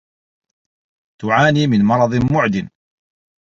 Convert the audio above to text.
تعاني من مرض معد.